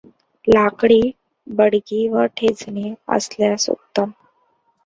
लाकडी बडगी व ठेचणी असल्यास उत्तम.